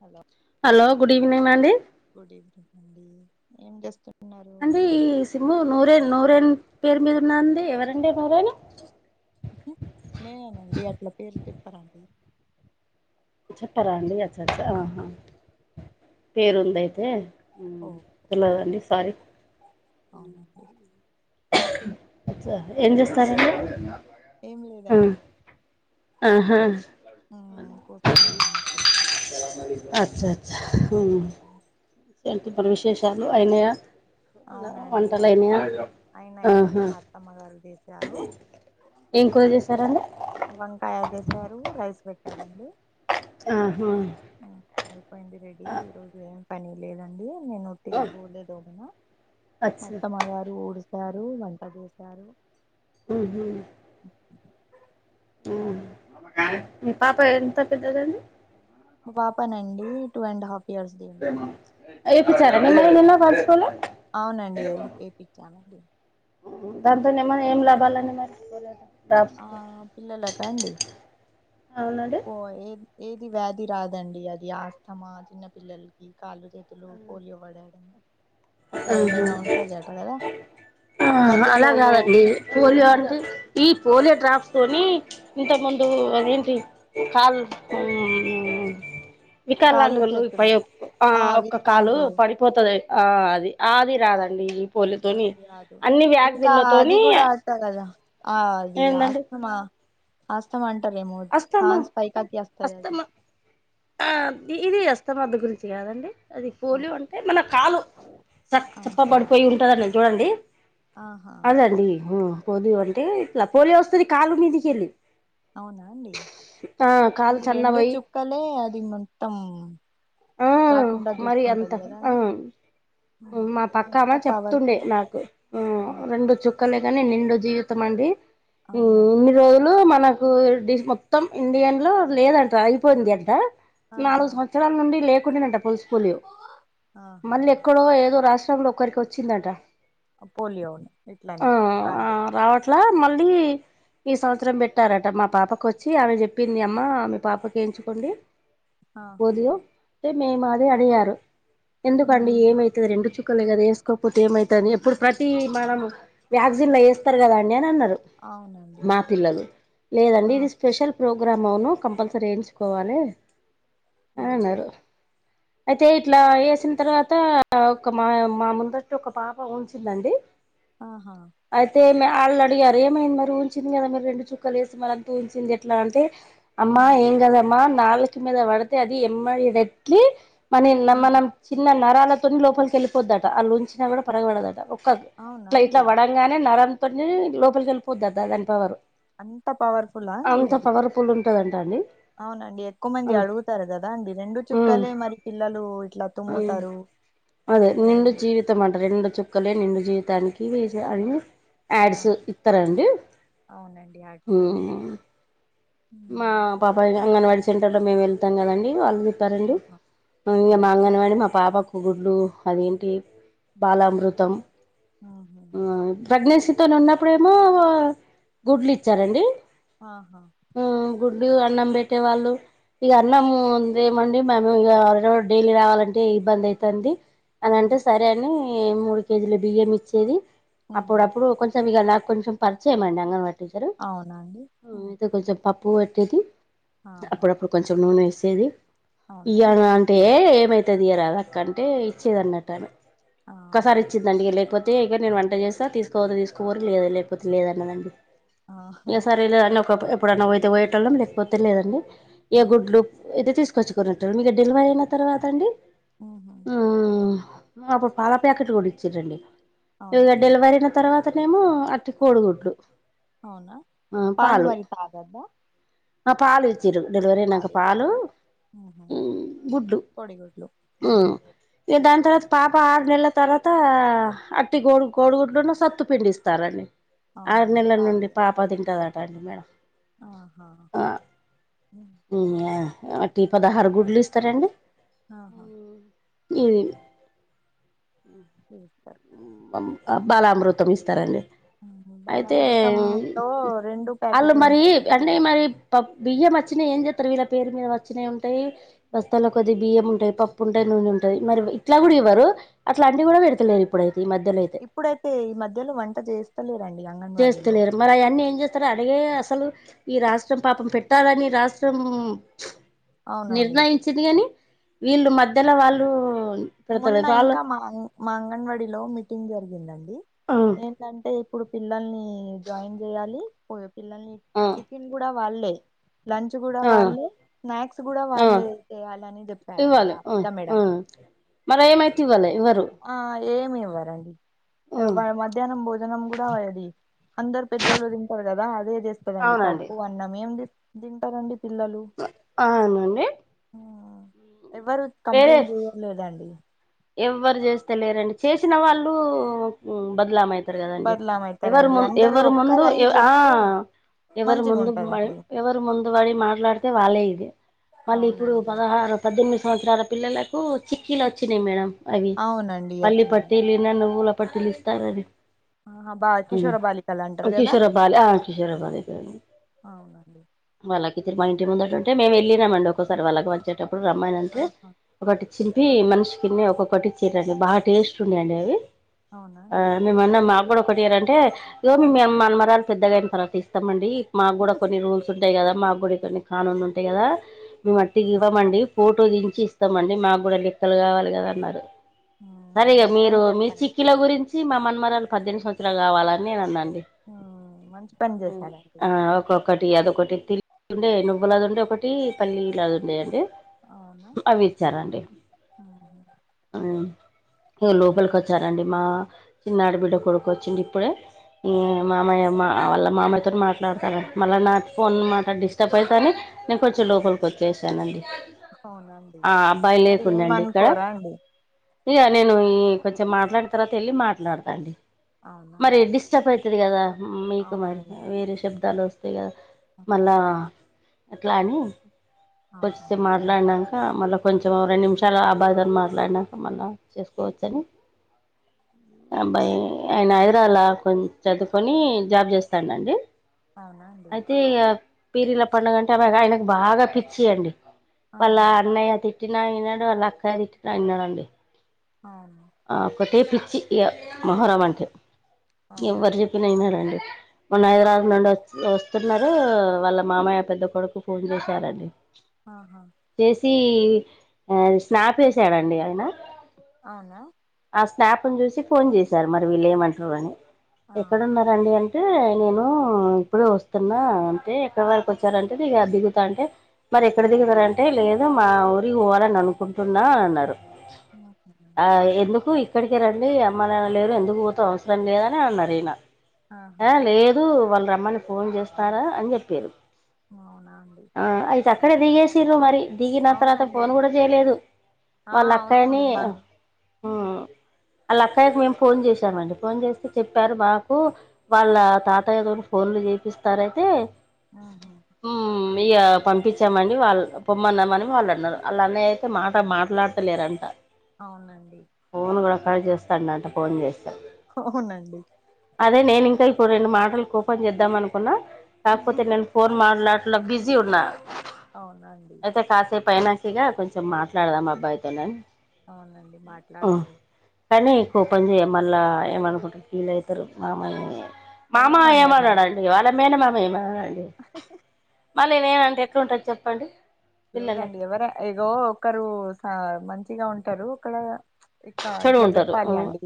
Hello hello good evening అండి good evening అండి ఏం చేస్తున్నారు అండి ఈ సిమ్ము నూరే నూరేన్ పేరు మీద ఉన్నదండి ఎవరండి ఈ నూరేని నేనేనండి అట్లా పేరు పెట్టారండి చెప్పరా అండి అసలుకే ఆ, ఆహా పేరుంది అయితే ఓ తెలవదండి సారీ అవునండి ఏం ఇంకా చేస్తారండి ఏం ఊ లేదండి ఆహ ఉ కూర్చొని ఉన్నామండి అచ్చ అచ్ఛ ఊ ఏంటి ఇంక విశేషాలు అయినయా అవునండి వంటలు అయి- అయినయా అయినాయండి ఆహా మా అత్తమ్మ గారు చేసారు ఏం కూర చేశారండి వంకాయ చేసారు రైస్ పెట్టారండి ఆహా అయిపోయింది రెడీ ఈ రోజు ఏం పని లేదండి నేను ఇగ బోల్లె తొమినా అచ్చ మా అత్తమ్మ గారు ఊడుస్తారు వంట చేస్తారు ఉహు మీ పాప ఎంత పెద్దదండి మా పాపనండి టూ అండ్ హాఫ్ ఇయర్స్ ది ఉందండి ఏప్పించారా అండి మీరు నిన్న వ్యాక్సిన్ అవునండి ఎల్లి ఏపిచ్చామండి దాంతోనీ ఏమన్న ఏమి లాభాలండి మరి డ్రాప్స్ ఆ పిల్లలకా అండి అవునండి పో ఏ ఏది వ్యాధి రాదండి అది ఆస్తమా చిన్న పిల్లలకి కాళ్ళు చేతులు లో పోలియో పడడం అట్ల ఆహా ఏదైనా ఉంటదట కదా ఆహా అలా మధ్యలో ఓ కాదండి పోలియో అంటే ఈ పోలియో డ్రాప్స్తోని ఇంత ముందు అదేంటి కాల్ హ్మ్ కాళ్ళు వికాలంగులు చేతులు ఆ ఒక్క కాలు పడిపోతది ఆ అది అది అది రాదండి ఈ పోలియోతోని అది కాదు అన్ని ఇంకా అది వ్యాక్సిన్లతోని కూడా కదా ఆ అది ఏందండి అస్తమా అస్తమ అంటారేమో అస్తమా అండ్స్ పైకిత్తే వస్తదాది అస్తమా ఆ ఇది అస్తామద్ద గురించి కాదండి అది ఆ, పోలియో అంటే మన కాలు చ ఆహా చప్పబడిపోయి ఉంటదటండి చూడండి ఆహా అదండి పోలియో అంటే ఇట్లా పోలియో వస్తది కాలు మీదకెళ్ళి అవునా అండి కాలు ఈ రెండు సన్నబోయి చుక్కలే అది మొత్తం ఊ రాకుండా మరి అంత చూసుకుంటది కదా ఉ అండి ఉమ్. మా పక్కా ఎంత అమే చెప్తుండే పవర్ఫులో నాకు ఉ ఆ రెండు చుక్క క్కలే గాని నిండు జీవితం అండి ఈ అవునండి ఇన్ని రోజులు మన హోల్ డి మొత్తం ఇండియన్ లో లేదట అయిపోయిందట ఆహా నాలుగు సంవత్సరాల నుండి లేకుండేనట పల్స్ పోలియో ఆహా మళ్ళీ ఎక్కడో ఏదో రాష్ట్రంలో ఒక్కరికి వచ్చిందట. పోలియోనే ఇట్లనే కాదు అట్ల మళ్ళీ ఈ సంవత్సరం పెట్టారట మా పాపకు వచ్చి ఆమె చెప్పింది అమ్మ మీ పాపకి ఎయించుకోండి. ఆహా పోలియో మేము అదే అడిగారు ఎందుకండి ఉహుం. ఏమై తే రెండు చుక్కలే కదా వేసుకోకపోతే ఏమైతది ఎప్పుడు ప్రతి మనం వ్యాక్సిన్లో వేస్తారు కదాండి అని అన్నారు. అవునండి లేదండి ఆ ఇది స్పెషల్. ప్రోగ్రామ్ అవును కంపల్సరీ వేయించుకోవాలి. అని ఆహా అన్నారు అయితే ఇట్లా వేసిన తర్వాత ఒక మా మా ముందటి ఒక పాప ఉంచిందండి. ఆహా అయితే ఈమె వాళ్ళు అడిగారు ఏమైంది మరి ఊంచింది కదా, మీరు రెండు చుక్కలు వేసి మళ్ళంత ఉంచింది ఎట్లా అంటే అమ్మా ఆహా ఏం కదమ్మా నాలిక మీద పడితే అది ఎమ్మరేట్లి మనే ఉహు మనం చిన్న నరాలతోన్ లోపలికి వెళ్ళిపోద్దట. అల్లుఉంచిన కూడా ఫరక్ పడదట ఒక్క అవునా ఇట్లా ఇట్లా అండి పడ గానే నరంతోని లోపలికి వెళ్ళిపోద్దటా దానిపవర్ అంత పవర్ఫుల్ అండి అది ఫుల్ ఉంటదటాండి అవునండి ఎక్కువ మంది అడుగుతారు కదా అండి రెండు చుక్కలే మరి పిల్లలు ఇట్లా తుమ్ముతారు ఏదైనా ఇమంటారు రెండు చుక్కలే నిండు జీవితానికి అని ఆ యాడ్స్ ఇత్తారాండి అవునండి ఊ ఆటితో చూపెడతారు మా ఉమ్. పాప అంగన్వాడీ సెంటర్ లో మేము వెళ్తాం కదండి వాళ్ళు తారండి ఆహా మా అవునండి అంగన్వాడి మా పాపకు గుడ్లు అదేంటి బాలామృతం ఉహుం. ప్రగ్నెన్సీ తోనే ఉన్నప్పుడేమో గుడ్లు ఇచ్చారండి ఆహా ఆ గుడ్డు అన్నం పెట్టేవాళ్ళు ఇక అన్నం ఉందెమండి మేము ఇక రొ డైలీ రావాలంటే ఇబ్బంది అయితాంది. అదంటే ఉహుం. సరే అని మూడు కేజీలు బియ్యం ఇచ్చేది ఉహుం. అప్పుడప్పుడు కొంచం ఇక నాకు కొంచెం పరిచేయమండి అంగన్ వాడి టీచర్ అవునా అండి ఆ అయితే కొంచెం పప్పు పెట్టేది ఆహా! అప్పుడప్పుడు కొంచెం నూనె వేసేది ఇగ అవునాండి. అంటే ఏమైతదియరాద అక్కంటే ఇచ్చేదన్నట్టు ఆమె ఒక్కసారి ఆహా! ఇచ్చి అండి లేకపోతే ఇక్కడ నేను వంట చేస్తా తీసుకపోతే తీసుకపోండి లేదా లేకపోతే లేదన్నదండి ఆహా! ఇక సరే లేదని ఒక ఎప్పుడన్నా పోతే పోయేటోళ్ళం లేకపోతే లేదండి ఆ! ఏ గుడ్లు అయితే తీసుకొచ్చి కొనేటోళ్ల మీకు డెలివరీ అయిన తర్వాత అండి. ఆహ అప్పుడు పాల ప్యాకిట్లు కొనిచ్చిర్రండి ఇగ అవునాండి. డెలివరైన తర్వాత అట్ కోడిగుడ్లు అవునా పాలు మరి తాగద్దా ఆ పాలు ఇచ్చిరు డెలివరీ ఐనాక పాలు కోడి గుడ్లు ఇగ దాని తర్వాత పాప ఆరు నెల్ల తర్వాత అట్టి గోడు కోడిగుడ్లును సత్తు పిండిస్తారండి ఆరు అవునండి. నెల్ల నుండి పాలియ్యాలి. పాప తింటదట అండి మేడం ఆహా అ టీ పదహార గుడ్లు ఇస్తారండ్ ఆహా ఏది ఈస్తా బాలామృతం ఇస్తారండి హుహు. అయితే బాలామృతంలో ఆళ్ళు మరి ప్యాకెట్లుంటాయి గదండీ. అంటే మరి బియ్యం అచ్చినా ఏం చెప్తరు వీళ్ళ పేరు మీద వచ్చినయంటే బస్తాల కొద్ది బియ్యముంటాయి పప్పుంటాయి నూనె ఉంటాయి మరి ఇట్లా గూడ అవును. ఇవ్వరు అట్లంటివి గూడా పెడతలేరు ఇప్పుడైతే ఈ మధ్యలో అయితే ఇప్పుడైతే ఈ మధ్యలో వంట చేస్తలేరండి అంగన్వాడీలో చేస్తలేరు మరి అయన్ని ఏం చేస్తారు అడిగే అసలు ఈ రాష్ట్రం పాపం పెట్టాలని రాష్ట్రం అవునండి. నిర్ణయించింది గని వీళ్ళు మధ్యలో వాళ్ళు పెడతారు మొన్న వాళ్ళు ఇంకా మా మా అంగన్వాడీలో మీటింగ్ జరిగిందండి ఆ ఏంటంటే ఇప్పుడు పిల్లల్ని జాయిన్ జెయ్యాలి పో పిల్లల్ని ఆ గుడా వాళ్ళే లంచ్ గూడా ఆ వాళ్ళే స్నాక్స్ గూడా ఆ వాళ్ళే చేయాలని జెప్పారండి ఆ పెద్ద మేడం మరేమైత్యుగలే ఎవరు ఆ ఏమి ఇవ్వరండి మధ్యానం భోజనం గూడా అది అందరు పెద్దోళ్ళు తింటారు గదా అదే చేస్త్ అవునండి పప్పు అన్నం ఏం దింటరండి పిల్లలు ఆనండి ఆ ఎవరు వేరే కంప్లైంట్ జెయలేదాండి ఎవ్వరు చేస్త లేరండి చేసిన వాళ్ళు బద్లాం గదండి బదలాం ఎవరి అయితారండి ముం అందరూ ఎవరి ముందు ఒక్కరు అయి ఆ చెప్తే ఎవరు మంచిగా ముందు మ ఉంటదండి ఎవరు ముందు వడి మాట్లాడితే వాళ్ళే ఇది మళ్ళీ ఇప్పుడు అవునండి పదహారు పద్దెనిమిది సంవత్సరాల పిల్లలకు చిక్కీలొచ్చినయి మేడం అవి అవునండి పల్లి అట్లనే పట్టీలిన నువ్వుల పట్టీలిస్తారని ఆహా బా కిషోర బాలికలు అంటారు కదా వచ్చిషొరబాలె ఆ కిషోరబాలె అవునండి వాళ్ళకి తిరుమా ఇంటి ముందటుంటే మేము వెళ్ళినామండి ఒకసారి వాళ్ళకి వచ్చేటప్పుడు రమ్మననంటే ఆహా ఒకటి చింపి మనిషి కిన్నె ఒక్కొక్కటిచ్చిరండి బా టేస్ట్ ఉన్నయండి అవి అవునా ఆ అండి మేమ్మన్న మా గుడ ఒకటీయరంటే ఏమిమియం మన్మరాలు పెద్దగైన తర్వాత ఇస్తామండి మాగ్గూడ కొన్ని రూల్స్ ఉంటాయి గదా మాగ్గుడా కొన్ని కానున్ ఉంటాయి గదా ఆ మేము అట్టిగివ్వమండి ఫోటో దించి ఇస్తమండి మాగ్గుడా లెక్కలు గావాలి గదన్నరు సరే ఉమ్, ఇగ మీరు అట్లని మీ చెప్పానండి చిక్కిల గురించి మా మన్మరాలు పద్దెనిమిది సంవత్సరాలు గావాలా అని నేనన్నాండి ఉమ్, మంచి పని చేశారండి ఆ ఒకొక్కటి అదొకటి తిరిగిండే నువ్వులదుండే ఒక పల్లిలాగా ఉండేయండి అవి ఇచ్చారా అండి ఆ లోపలికి వచ్చారండి మా చిన్నాడి బిడ్డ కొడుకు వచ్చిండు ఇప్పుడే ఆ మామయ్య మా వాళ్ళ మామయ్యతో మాట్లాడతారు మళ్ళీ నా ఫోన్ మాట్లాడి డిస్టర్బ్ అయితనని నేను కొంచెం అవునా లోపలికి వచ్చేసానండి అవునండి ఆ అబ్బాయి మరి లేకుడాండి ఇక్కడ ఏమనుకోరా అండి ఇక నేను ఈ కొంచెం మాట్లాడిన తర్వాత వెళ్ళి మాట్లాడతా అండి అవునా మరి అండి డిస్టర్బ్ అయితాది కదా మీకు మరి వేరే శబ్దాలు వస్తాయి కదా ఉహు. మళ్ళా అట్లా అని వచ్చే అవునండి నిజంగా మాట్లాడినాక మళ్ళీ కొంచెం రెండు నిమిషాలు ఆ అబ్బాయి తోని మాట్లాడి యినాక మళ చేసుకోవచ్చని అబ్బాయి ఆయన హైదరాబాద్ లో చదువుకొని జాబ్ చేస్తాడండి అవునా అండి అయితే పీరీల పండుగంటే అవే ఆయనకు బాగా పిచ్చి అండి వాళ్ళ ఆహా అన్నయ్య తిట్టిన ఇనడు వాళ్ళ అక్కయ్య తిట్టిన వినడండి అవును ఒకటే పిచ్చి ఇగ మొహరం అంటే ఎవ్వరు అవునండి చెప్పిన వినరండి మొన్న ఆ హైదరాబాద్ నుండి వ వస్తున్నారు వాళ్ళ మామయ్య పెద్ద కొడుకు ఫోన్ చేశారండి ఆహా చేసి స్నాపేసారు అండి ఆయన అవునా ఆ స్నాప్ని చూసి ఫోన్ చేశారు మరి వీళ్ళు ఏమంటారు అని ఆ ఎక్కడున్నారు రండి అంటే నేను ఇప్పుడు వస్తున్నా అంటే ఎక్కడ వరకి వచ్చారంటే దిగుతా అంటే మరి ఎక్కడ ఉహు. దిగుతారు అంటే లేదు మా ఊరికి పోవాలని అనుకుంటున్నా అన్నారు ఆహ ఆ ఎందుకు ఇక్కడికే రండి అమ్మానాన్న లేరు ఎందుకు పోతావ్ అవసరం లేదని అన్నారు ఈయన ఆహా ఆ లేదు వాళ్ళు రమ్మని ఫోన్ చేస్తారా అని చెప్పిర్రు అవునా అండి అయితే అక్కడే దిగేసిర్రు మరి దిగిన తర్వాత అవునండి ఫోన్ కూడా చేయలేదు ఆ వాళ్ళ అక్కయిని అవునండి మా వాళ్ళ అక్కాయకి మేము ఫోన్ చేసామండి ఫోన్ చేస్తే చెప్పారు మాకు వాళ్ళ తాతయ్యా గారు ఫోన్లు చేపిస్తారయితే ఆహా ఇగ పంపించామండి వాళ్ళు పొమ్మన్నామని వాళ్ళు అన్నారు వాళ్ళన్న అయితే మాట మాట్లాడుత లేరంటే అవునండి ఫోన్ కూడా కట్ చేస్తుండట ఫోన్ చేస్తే అవునండి అదే నేను ఇంకా ఇప్పుడు రెండు మాటలు కోపం చేద్దామనుకున్నా కాకపోతే నేను ఫోన్ మాట్లాడట్లా బిజీ ఉన్నా అవునండి అయితే కాసేపు అయినా ఇగా కొంచెం మాట్లాడదాం అబ్బాయితో నని అవునండి మాట్లాడండి కానీ కోపం చేయ మళ్ళా ఏమనుకుంటారు ఫీల్ అవుతారు మామాయిని మామ ఏమన్నారండి ఏమన్నాడండి వాళ్ళ మేనమామ ఏమనడండి మళ్ళీ నేనంటే ఎట్లుంటది చెప్పండి లేదండి పిల్లలకి ఎవరు ఏగో ఒకరు సా మంచిగా ఉంటరు అక్కడ ఇకా చెడు ఇట్లా ఉంటారు జెప్పాలి అండి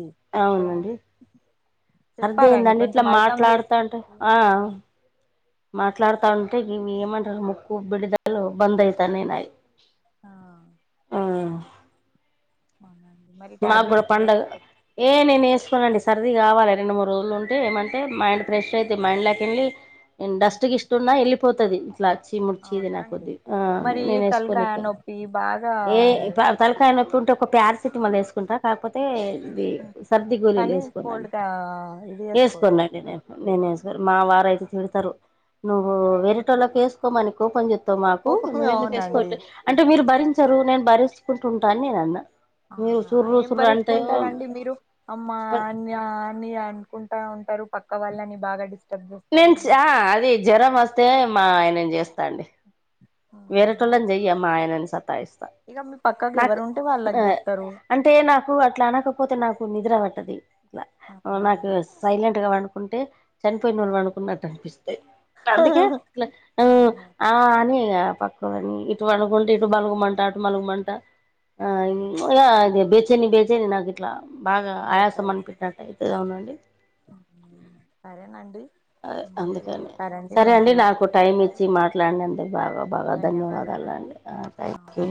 ఒక అవునండి చెప్పాలండి సర్దయిందండి ఇట్లా కొంచెం అర్థం మాట్లాడుతా చేసుకు మాట్లాడతా ఉంటే ఇవి ఏమంటారు ముక్కు బిడదలు బందయితాయ్ నాయి ఆ ఆ అవునండి మరి నా కుడ టాబ్లెట్స్ పండగ లేకపో ఏ నేనేసుకోనండి సర్ది కావాలి రెండు మూ రోజులు ఉంటే ఏమంటే మైండ్ ఫ్రెష్ అవుతే మైడ్లోకి వెళ్ళి నేను డస్ట్ గిస్ట్ఉన్న వెళ్ళిపోతది అలా చీముడు చీదిన అవునా అండి కొద్దీ అ మరి నేను వేసుకని తలకాయ నొప్పి బాగా ఏ తలకాయ నొప్పి ఉంటే ఒక ప్యారసిటిమాల్ వేసుకుంటా కాకపోతే ఇది సర్ది గోళీలు కానీ వేసుకున్నాను కోల్డ్గా ఇది చేసుకోరు వేసుకున్నాండి నేను నేను ఎసర్ మా వారు అయితే తిడతారు నువ్వు వేరేటోళ్ళకి వేసుకోమని కోపం చెప్ మాకు కోపమే నువ్వ ఎందుకు వేసుకోవచ్చ అవునండి అంటే మీరు భరించరు నేను భరించుకుంటు ఉంటాని నేను అన్నా మీరు ఆహా సుర్రు ఏం సుర్రు అంటే భరిసుకుంటారండి మీరు అమ్మా అన్ని అన్ని అనుకుంటా ఉంటారు పక్క వాళ్ళని బాగా డిస్ నేను అది జ్వరం వస్తే మా ఆయనం చేస్తాండి మ్మ్ వేరేటళ్ళని మరి చెయ్య మా ఆయనని సత్తాయిస్తా ఇక మీ పక్కకి నాకు ఎవరు ఉంటే వాళ్ళకి ఆ తెస్తారు అంటే నాకు అట్లా అనకపోతే నాకు నిద్ర పట్టదు అట్లా అవునా నాకు అండి సైలెంట్ గా పడుకుంటే చనిపోయినోళ్ళు అనుకున్నట్టు అనిపిస్తాయి అందుకే ఇలా మ్ ఆహా ఆ అని పక్కలని ఇటు పడుకుంటే ఇటు బలుగమంట అటు మలుగమంట ఆ ఆహా ఈగ బేచేని బేచని నాకు ఇట్లా బాగా ఆయాసం అనిపట్నట్టు అయితది అవునండి మ్ హు సరేనండి అదే మంచిగా అందుకని చెప్పారండి సరే మంచి అండి నాకు విషయాలు టైం చెప్పారు ఇచ్చి మాట్లాడినందుకు బాగా బాగా ధన్యవాదాలు ధన్యవాదాలండి అండి ఆ థ్యాంక్ యూ